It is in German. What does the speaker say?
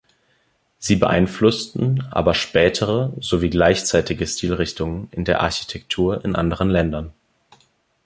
Sie beeinflussten aber spätere sowie gleichzeitige Stilrichtungen in der Architektur in anderen Ländern.